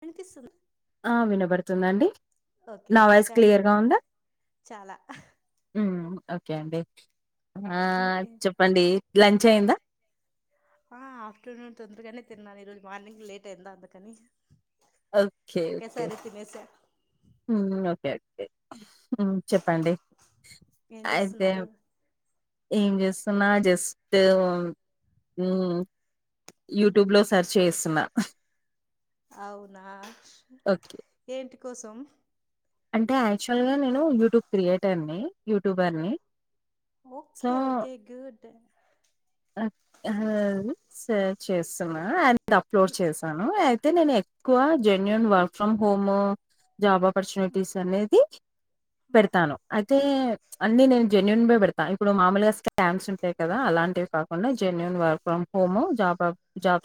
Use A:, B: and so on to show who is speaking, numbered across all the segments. A: వినిపిస్తుందా
B: ఆ వినబడుతుందండి
A: ఓకే
B: నా
A: ఓకే
B: వాయిస్
A: థ్యాంక్ యూ
B: క్లియర్గా ఉందా
A: చాలా
B: ఉమ్ ఓకె ఆ అండి ఆ చెప్పండి లంచ్ అయ్యిందా
A: ఆ ఆఫ్టర్నూన్ తొందరగానే తిన్నాను ఈరోజు మార్నింగ్ లేట్ అయిందా అందుకని
B: ఓకేఓకే
A: ఒకేసారి తినేసా
B: హ్మ్మ్ ఓకేే ఓకె హ్మ్మ్ చెప్పండి
A: ఏం
B: అయితే
A: చేస్తున్నారు
B: ఏం చే [unintelligible] జస్ట్ హుమ్మ్ యూట్యూబ్ లో సెర్చ్ చేస్తున్నా
A: అవునా
B: ఓకే.
A: ఏంటి కోసం
B: అంటే యాక్చువల్ గా నేను యూట్యూబ్ క్రియేటర్ ని యూట్యూబర్ ని ఆ
A: ఓకే ఓకే గుడ్
B: హలో ఎవరు సేవ్ చేస్తున్నా అండ్ ఇ అప్లోడ్ చేసాను అయితే నేను ఎక్కువ genuine work from home job opportunities అనేది పెడతాను అదే అన్నీ నేను జన్యుూన్ వే పెడతా ఇప్పుడు మామూలుగా స్కామ్స్ ఉంటాయి కదా అలాంటివి కాకుండా genuine work from home job offer job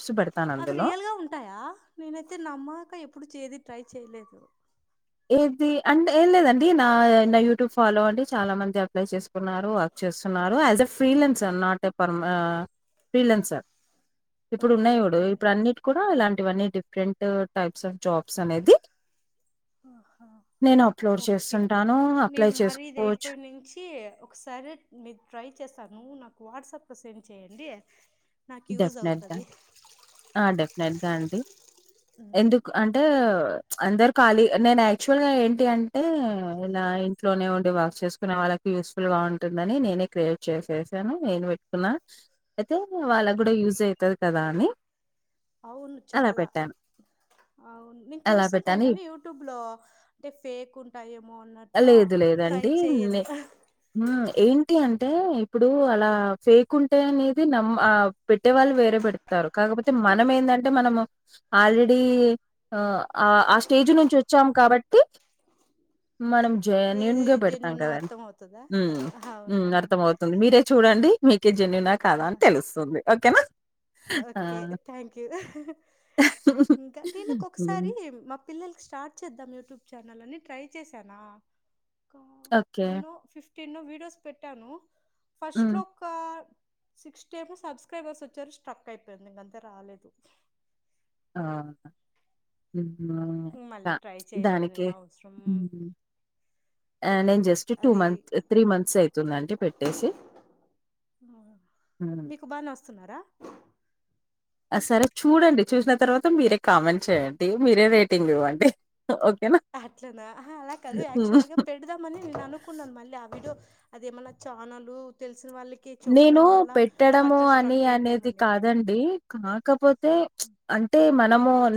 A: అవి రియల్గా ఉంటాయా నేనైతే నమ్మక ఎప్పుడు చేది ట్రై చేయలేదు
B: ఏది అంటే ఏం లేదండి నా నా యూట్యూబ్ ఫాలో అంటే చాలా మంది అప్లై చేసుకున్నారు చేస్తున్నారు అంటే ఫ్రీలెన్స్ నాట్ ఫర్ ఫ్రీలాన్సర్ ఇప్పుడు
A: ఓకే
B: ఉన్నాయిడు
A: ఓకే
B: ఇప్పుడు అన్నిటి కూడా ఇలాంటి ఇవన్నీ డిఫరెంట్ టైప్స్ ఆఫ్ జాబ్స్ అనేది
A: ఆహా
B: అప్లోడ్
A: ఓకే.
B: చేస్తుంటాను అప్లై
A: నేను మరది
B: చేసుకోవచ్చు.
A: అయిపోయి నుంచి ఒకసారి మీ ట్రై చేశాను వాట్సాప్ లో సెండ్ చేయండి నాకు యూజ్
B: డెఫినెట్గా
A: అవుతది.
B: డెఫినెట్గా అండి
A: హ్మ్.
B: ఎందుకు అంటే
A: ఓకే.
B: అందరు ఖాళీ నేను యాక్చువల్ గా ఏంటి అంటే ఇలా ఇంట్లోనే ఉండి వార్క్ చేసుకునే వాళ్ళకి యూస్ఫుల్గా బాగుంటుందని నేనే క్రియేట్ చేససాను నేను పెట్టుకున్నా అయితే వాళ్ళ
A: ఓకే.
B: యూజ్ అవుతుంది కదా అని
A: అవును
B: అలా
A: చాలా
B: పెట్టాను.
A: అవును నేను
B: అలా
A: చూస్తుంటాను
B: పెట్టాను.
A: కానీ
B: ఇప్
A: యూట్యూబ్ లో అంటే ఫేక్ ఉంటాయేమో అన్నట్లా
B: లేదు
A: ట్రై
B: లేదండి. నే
A: చేయ్యను
B: ఏంటి అంటే ఇప్పుడు అలా ఫేక్ ఉంటాయి అనేది నమ్మ ఆ పెట్టే వాళ్ళు వేరే పెడతారు కాకపోతే మనం ఏంటంటే మనము ఆల్రెడీ ఆ ఆ ఆ స్టేజ్ నుంచి వచ్చాం కాబట్టి మనం
A: ఏది
B: జయన్యూన్గా పెడతాం
A: జెన్యూనో
B: కదండి
A: అర్థం అవుతదా?
B: హుమ్ హుమ్
A: అవునా!
B: అర్థం అవుతుంది మీరే చూడండి జన్యునా కాదా
A: ఆ!
B: అని తెలుస్తుంది ఓకేనా ఆ!
A: ఓకే థ్యాంక్ యూ రా ఇంకా దీనుక్
B: హ్మ్.
A: ఒకసారి మా పిల్లలకి స్టార్ట్ చేద్దాం యూట్యూబ్ చానల్లని ట్రై చేసానా
B: ఓకే.
A: ఎన్నో వీడియోస్ పెట్టాను ఫస్ట్
B: హ్మ్.
A: లో ఒక సిక్స్ట్ ఏమో సబ్స్క్రైబర్స్ వచ్చారు స్ట్రక్ అయిపోయింది ఇంకంతే రాలేదు
B: ఆ హుమ్
A: మళ్ళీ
B: ఆ
A: ట్రై చేయలేదు
B: దానికి
A: నేను అవసరం
B: నేను జస్ట్ టూ
A: అది
B: మంత్ త్రీ మంత్స్ అయితుందండి పెట్టేసి హ్మ్.
A: మీకు బానే వస్తున్నారా
B: సరే చూడండి చూసిన తర్వాత మీరే కామెంట్ చేయండి మీరే రేటింగ్ ఇవ్వండి ఓకేనా
A: అట్లనా అలా కాదు
B: హ్మ్.
A: యాక్చువల్ గా పెడదామని నేను అనుకున్నాను మళ్ళీ ఆ విడోయో అదేమన్నా ఛానలు తెలుస్
B: నేను పెట్టడము
A: అట్లా
B: అని
A: స్ట్రక్
B: అనేది
A: అయిందేమోలే.
B: కాదండి కాకపోతే అంటే మ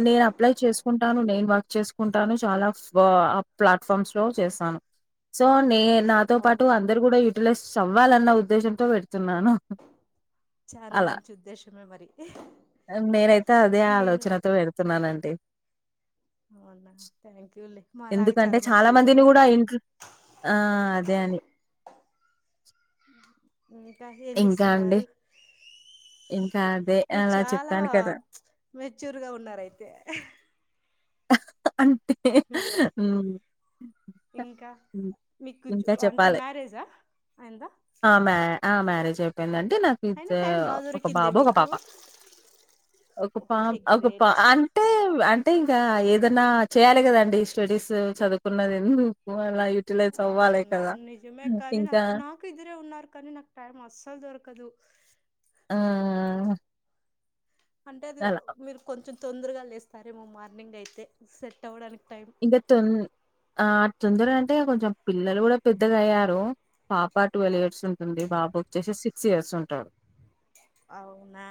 B: నేను అప్లై చేసుకుంటాను నేను వర్క్ చేసుకుంటాను చాలా బ ప్లాట్ఫామ్స్ లో చేస్తాను సో నే నాతో పాటు
A: అవును
B: అందరు కూడా యూటిలైజ్ అవ్వాలన్న ఉద్దేశం తో పెడుతున్నాను
A: చాలా
B: అలా
A: మంచి ఉద్దేశమే మరి
B: నేనైతే అదే
A: నేను
B: ఆలోచనతో వెడుతున్నానండి
A: అవునా థ్యాంక్ లే మాలాగే
B: ఎందుకంటే
A: చాలా మందికి యూజ్
B: మందిని
A: అవుతది
B: కూడా ఇంట్ల ఆ అదే అని
A: ఇంకా ఏం
B: ఇంకా అండి.
A: చేస్తున్నారు
B: ఇంకా అదే
A: మీరు
B: అలా
A: చాలా
B: చెప్పాను కదా!
A: మెచ్యూర్ గా ఉన్నారు అయితే
B: అంటే
A: ఇంకా
B: హ్మ్.
A: మీకు
B: ఇంకా
A: అంటే
B: చెప్పాలి.
A: మ్యారేజా అయింద
B: పెళ్లంటే నాకు ఇక ఒక
A: దొరికిందే
B: బాబు ఒక
A: మీకు
B: పాప ఒక పా
A: ఓకే
B: ఒక పా
A: గ్రేట్
B: అంటే అంటే ఇంకా ఏదన్నా చేయాలి కదండి స్టడీస్ చదువుకున్నది ఎందుకు అ యూటిలైజ్ అవ్
A: అవునవును నిజమే కానీ నాకు నాకు ఇద్దరే ఉన్నారు కానీ నాకు టైం అస్సలు దొరకదు
B: ఆ
A: అంటే అది మీరు కొంచెం తొందరగా లేస్తారేమో మార్నింగ్ అయితే సెట్ అవ్వడానికి టైం
B: ఇంక తొన్ ఆ తొందర అంటే కొంచెం పిల్లలు కూడా పెద్దగా అయ్యారు పాప పాప ట్వెల్ ఇయర్స్ ఉంటుంది బాబు వచ్చేసి సిక్స్ ఇయర్స్ ఉంటాడు
A: అవునా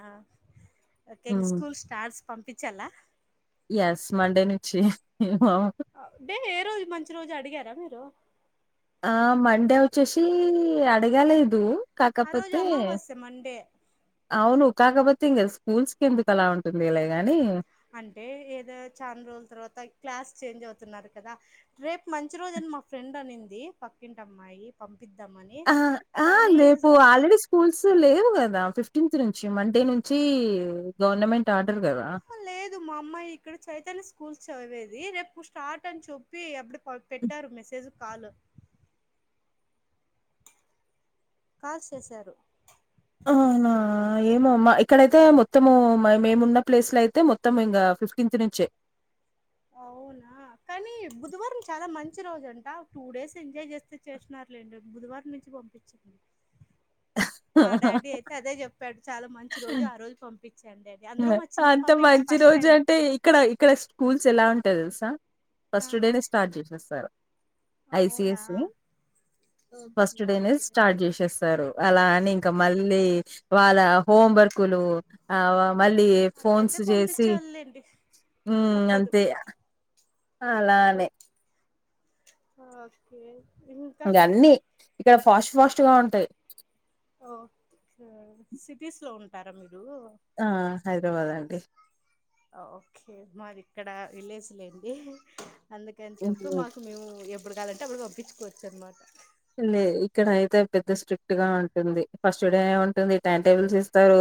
A: ఓకే ఇక
B: హ్మ్.
A: స్కూల్ స్టార్స్ పంపించాలా
B: యస్ మండే నుంచి
A: అంటే ఏ రోజు మంచి రోజు అడిగారా మీరు
B: ఆ మండే వచ్చేసి అడగలేదు
A: ఆ రోజు
B: కాకపోతే
A: అమావాస్య మండే
B: అవును కాకపోతే ఇంకా స్కూల్స్ కి ఎందుకు అలా ఉంటుందిలే గాని
A: అంటే ఏదో చాలా రోజుల తర్వాత క్లాస్ చేంజ్ అవుతున్నారు కదా రేపు మంచి రోజు అని మా ఫ్రెండ్ అనింది పక్కింటి అమ్మాయి పం
B: ఆ ఆ రేపు ఆల్రెడీ స్కూల్స్ లేవు కదా ఫిఫ్ టీన్త్ నుంచి మండే నుంచి గవర్నమెంట్ ఆర్డర్ గదా!
A: ఆహా లేదు మా అమ్మాయి ఇక్కడ చైతన్య స్కూ స్కూల్ చదివేది రేపు స్టార్ట్ అని చెప్పి అప్పుడు పె పెట్టారు మెసేజ్ కాలు కాల్ సేసారు
B: ఆహా ఏమో మా ఇక్కడైతే మొత్తము మేమున్న ప్లేస్ లో అయితే మొత్తం ఇంగా ఫిఫ్టీన్త్ నుంచే
A: అవునా కానీ బుధవారం చాలా మంచి రోజు అంట టూ డేస్ ఎంజాయ్ చేస్తే చేసినారు లేండి బుధ బుధవారం నుంచి పంపించండి మా డాడీ అయితే అదే చెప్పాడు చాలా మంచి రోజు ఆ రోజు పంపియి
B: అంత మంచీ రోజు
A: టైం
B: అంటే ఇక్కడ ఇక్కడ స్కూల్స్ ఎలా ఉంటాయి తెలుసా
A: ఆ
B: ఫస్ట్ డేనే స్టార్ట్ చేసేస్తారు ఐ సి ఐ
A: అవునా
B: సి ఫస్ట్
A: ఓకే
B: డేనే
A: ఓకే
B: స్టార్ట్ చేసేస్తారు అలా అని ఇంకా మళ్లీ వాళ్ల హోం వర్కులు ఆ మళ్లీ ఫోన్స్
A: అట్లయితే
B: చేసి
A: పంపించాలిలేండి
B: ఉమ్
A: తప్పదు
B: అంతే అలానేే
A: ఓకే ఓకే ఇంకా
B: ఇంగా అన్ని ఇక్కడ ఫాస్ట్ ఫాస్ట్ గా ఉంటాయి
A: ఓకే సిటీస్ లో ఉంటారా మీరు
B: ఆ హైదరాబాద్ అండి
A: ఓకే మాది ఇక్కడ విలేజ్లేండి అందుకని చెప్పి
B: హ్మ్.
A: మాకు మేము ఎప్పుడు కావాలంటే అప్పుడు పంపించుకోవచ్చు అన్నమాట
B: లే ఇక్కడ అయితే పెద్ద స్ట్రిక్ట్ గా ఉంటుంది ఫస్ట్ డే ఉంటుంది టైమ్ టేబుల్స్ ఇస్తారు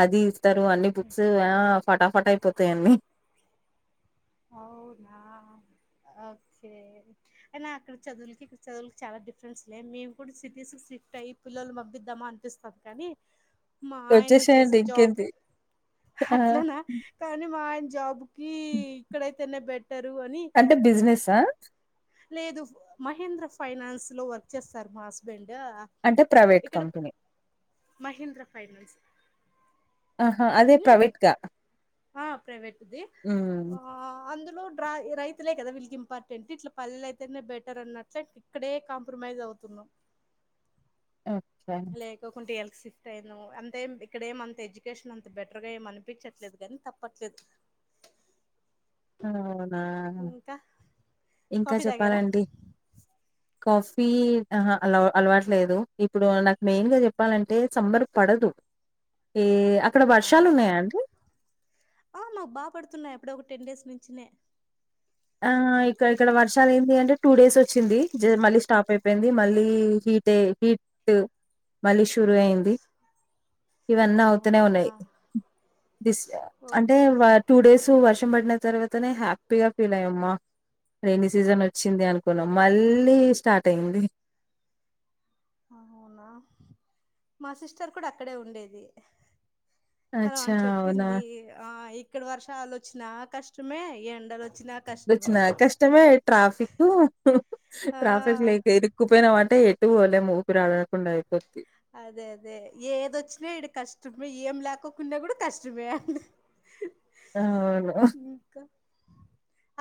B: అది ఇస్తారు అన్ని బుక్స్ ఆ ఫటాఫట్ అయిపోతాయి అన్నీ
A: అవునా ఓకే అయినా అక్కడ చదువులకి ఇక్కడ చదువులకి చాలా డిఫరెన్స్ లే మేము కూడా సిటీస్ కి షిఫ్ట్ అయ్యి పిల్లలను పంపిద్దామా అనిపిస్తుంది కానీ మా ఆయన చేసే
B: వచ్చేసేయండి
A: జాబ్
B: ఇంకేంది ఆ
A: అట్లనా కానీ మా ఆయన జాబ్ ఇక్కడనే బెట్
B: అంటే బిజినెస్సా
A: లేదు మహేంద్ర ఫైనాన్స్ లో వర్క్ చేస్తారు మా హస్బెండ్
B: అంటే ప్రైవేట్ కంపెనీ
A: మహీంద్ర ఫైనాన్స్
B: ఆహా అదే ప్రైవేట్గా
A: ఆ ప్రైవేట్
B: ఉమ్
A: అందులో ట్రా రైతులే కదా వీళ్ళకి ఇంపార్టెంట్ ఇట్ల పల్లె అయితేనే బెటర్ అన్నట్టు ఇక్కడే కాంప్ర మైస్ అవుతున్నాం
B: ఓకే.
A: లేకోకుంటే ఎళ్ షిఫ్ట్ అయిను అంతేం ఇక్కడ ఏమంత ఎడ్యుకేషన్ అంత బెటర్ గా ఏం అనిపిచ్చట్లేదు కానీ తప్పట్లేదు
B: అవునా
A: ఇంకా
B: ఇంకా
A: కాఫీ తాగారా
B: చెప్పాలండి కాఫీ ఆహా అలా అలవాటులేదు ఇప్పుడు నాకు మెయిన్ గా చెప్పాలంటే సమ్మర్ పడదు ఏ అక్కడ వర్షాలున్నాయా
A: అవునా
B: అండి?
A: ఆ నాకు బాగ పడుతున్నాయి అప్పుడే ఒక టెన్ డేస్ నుంచనే
B: ఆ ఇక్కడ ఇక్కడ వర్షాలు ఏంటి అంటే టూ డేస్ వచ్చింది మళ్ళీ స్టాప్ అయిపో పొయింది మళ్ళీ హీట్ హీట్ మళ్ళీ షురు అయింది ఇవన్న అవుతూనే
A: అవునా
B: ఉన్నాయి తీస్ అంటే
A: ఓకే
B: టూ డేస్ వర్ష్ ర్షం పడిన తర్వాతనే హ్యాపీగా ఫీల్ అయ్యమ్మా రైనీ సీజన్ వచ్చింది అనుకున్నాం మళ్ళీ స్టార్ట్ అయింది
A: అవునా మా సిస్టర్ కూడా అక్కడే ఉండేది అలా
B: అచ్చా!
A: అని
B: అవునా!
A: చెప్పింది ఆ ఇక్కడ వర్షాలు వచ్చినా కష్టమే ఎండలు వచ్
B: వచ్చినా కష్టమే ట్రాఫిక్
A: ఆ
B: ట్రాఫిక్ లేక ఇరుక్కుపోయినమంటే తూ వాణెమ్మో ఊపిరి ఆడకుండా అయిపోద్ది
A: అదే అదే ఏదొచ్చినా ఇడు కష్టమే ఏం ల్యాకోకున్నా కూడా కష్టమే అండి
B: అవును
A: ఇంకా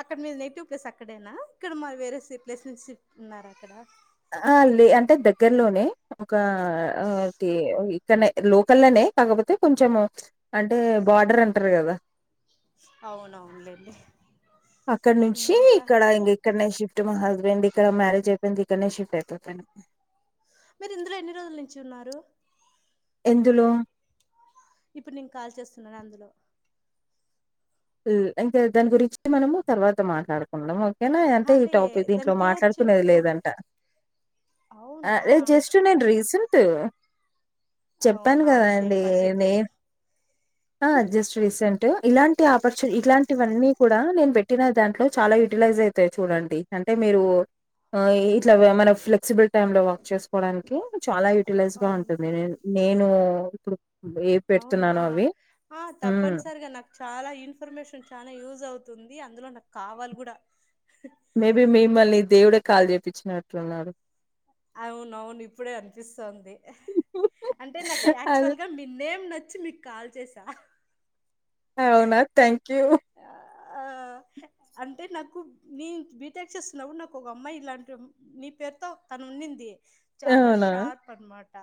A: అక్కడ మీరు నెగిటివ్ ప్లేస్ అక్కడేనా ఇక్కడ మా వేరే సి ప్లేస్ నుంచి ఫ్ ఉన్నార అక్కడ
B: ఆ లే అంటే దగ్గర్లోనే ఒక ఆ కి ఈ క్కన్నే లోకల్ లోనే కాకపోతే కొంచెం అంటే బార్డర్ అంటారు కదా
A: అవునవునులేండి
B: అక్కడ నుంచి
A: ఇంకా
B: ఇక్కడ ఇంగ ఇక్కడనే షిఫ్ట్ మా హస్బెండ్ ఇక్కడ మ్యారేజ్ అయిపోయింది ఇక్కన్నే షిఫ్ట్ అయిపోతాను
A: మీరు ఇందులో ఎన్ని రోజుల నుంచి ఉన్నారు
B: ఎందులో
A: ఇప్పుడు నేను కాల్ చేస్తున్నానే అందులో
B: ఇంకా దాని గురించి మనము తర్వాత మాట్లాడుకుందాం ఏనా
A: ఆహా,
B: అంటే ఈ టాపిక్ దీంట్లో
A: దాని పేరు
B: మాట్లాడుకునేది
A: చెప్పుకో
B: లేదంట
A: అవునా
B: అదే జస్ట్ నేను రీసెంట్
A: అవును
B: చెప్పాను కదా
A: నాది సేమ్
B: అండి నే
A: పరిస్థితి
B: ఆ జస్ట్ రీసెంట్ ఇలాన్ టె ఆపర్చుని ఇట్లాంటివన్నీ కూడా నేను పెట్టిన దాంట్లో చాలా యూటిలైజ్ అయితాయి చూడండి అంటే మీరు ఆ ఈట్లా మనం ఫ్లెక్సిబుల్ టైమ్ లో వర్క్ చేసు కోడానికి చాలా యూటిలైజ్ గా
A: అవును
B: ఉంటుంది నేను నేను ఇప్పుడు ఏ
A: అవునా
B: పెడుతున్నానో అవి.
A: ఆ
B: హ్మ్.
A: తప్పనిసరిగా నాకు చాలా ఇన్ ఇన్ఫర్మేషన్ చానా యూజ్ అవుతుంది అందులో నాకు కావాలి కూడా
B: మేబీ మిమ్మల్ని దేవుడే కాల్ చెప్పిచినట్టునాడు
A: అవునవును ఇప్పుడే అనిపిస్తోంది అంటే నాకు
B: అది
A: యాక్చువల్ గా మీ నేమ్ నచ్చి మీకు కాల్ చేసా
B: అవునా థ్యాంక్ యూ
A: ఆ అంటే నాకు నీ బీటెక్ చేస్తున్నావు నాకు ఒక అమ్మాయి ఇలాంటివి నీ పేరుతో తను ఉన్నింది చాలా
B: అవునా?
A: షార్ప్ అనమాట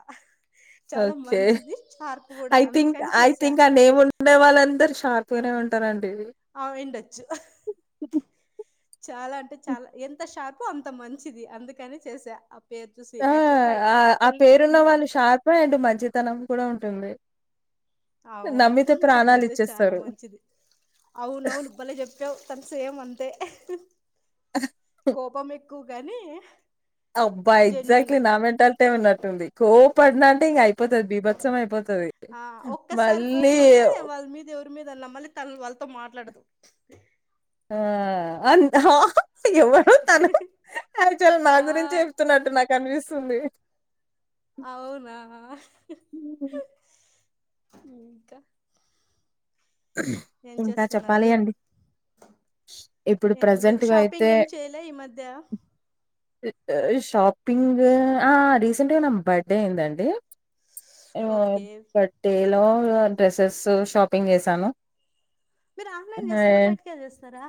A: చాలా
B: ఓకే
A: మంచిది షార్ప్ కూడా
B: ఐ థింక్
A: అందుకని
B: ఐ
A: చేసా
B: థింక్ అండి నేమ్ ఉండే వాళ్ళందరు షార్ కోరే ఉంటారాన్
A: అవిండచ్చు చాలా అంటే చాలా ఎంత షార్పొ అంత మంచిది అందుకని చేసా. పేరు చూసి
B: ఆ
A: యాక్చువల్గా
B: ఆ ఆ
A: కిల్
B: పేరున్న
A: ఈ
B: వాళ్ళు షార్ప్ అండ్ మంచితనం కూడా ఉంటుంది.
A: అవును
B: నమ్మితే
A: తనైతే చాలా
B: ప్రాణాలిచ్చేస్తారు.
A: మంచిది అవునవును బలే చెప్పావ్ తన సేమ్ అంతే కోపం ఎక్కువగాని
B: అబ్బా ఎగ్జాక్ట్లీ నా మెంటాలిటీయే ఉన్నటే ఉంది కో పడిన అంటే ఇంక అయిపోతుది బీభత్సం అయిపోతుది
A: ఆ
B: మళ్ళీ
A: నమ్మలి తన వాళ్ళతో మాట్లాడదు
B: ఆ అన్ ఆహ్ హా సి ఎవ్వరు తను యాక్చువల్ నా
A: ఆ
B: గురించి చెప్తున్నట్టు నాకు అనిపిస్తుంది.
A: అవునా ఇంకా ఏం
B: ఇంకా చెప్పాలి
A: చేస్తున్నారు
B: అండి ఇప్పుడు
A: ఏం లేదు
B: ప్రెజెంట్గా అయితే
A: షాపింగ్ ఏం చేయలే ఈ మధ్య
B: షాపింగు ఆ ఆ రీసెంట్గా నా బర్త్డే అయిందండి ఇవో
A: ఓకే
B: పట్టిలు డ్రెస్సెసు షాపింగ్ చేసాను
A: మీరు ఆన్లైన్ చేస్తారా బయటికెళ్ళి చేస్తారా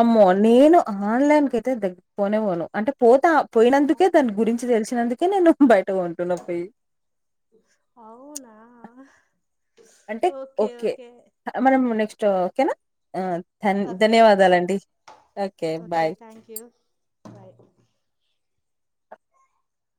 B: అమ్మో నేను ఆన్లైన్ కయితే దగ్గ పోనే పోను అంటే పోత పోయినందుకే దాని గురించి తెలుసి నందుకే నేను బయ్
A: అవునా
B: అంటే ఓకే మనం నెక్స్ట్ ఓకేనా ఆ ధన్
A: ఓకే
B: ధన్యవాదాలండి okay bye
A: thank you bye